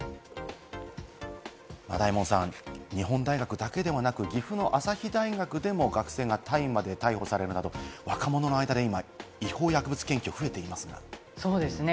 大門さん、日本大学だけではなく、岐阜の朝日大学でも、学生が大麻で逮捕されたと若者の間で今、違法薬物の検挙が増えていますね。